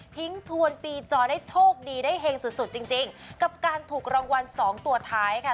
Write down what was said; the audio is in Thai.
ทิ้งทวนปีจอดได้โชคดีได้แห่งสุดจริงกับการถูกรางวัลสองตัวท้ายค่ะ